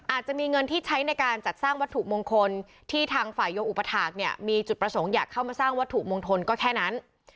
อาจจะมีเงินที่ใช้ในการจัดสร้างวัตถุมงคลที่ทางฝ่ายโยอุปถาคเนี่ยมีจุดประสงค์อยากเข้ามาสร้างวัตถุมงคลก็แค่นั้น